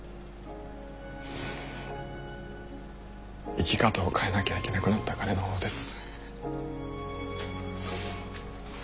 生き方を変えなきゃいけなくなった彼の方です。